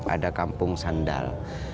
ada kampung sandal